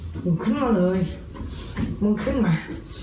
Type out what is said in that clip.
กูยอมไม่เป็นไร